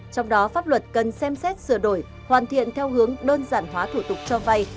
trong đó pháp luật cần xem xét sửa đổi hoàn thiện theo hướng đơn giản hóa thủ tục cho vay